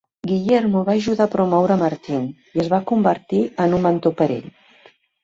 Guillermo va ajudar a promoure Martin i es va convertir en un mentor per a ell.